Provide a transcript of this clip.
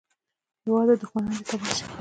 هېواده دوښمنان دې تباه شه